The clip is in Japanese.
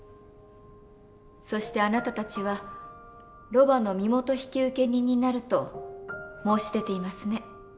そしてあなたたちはロバの身元引受人になると申し出ていますね。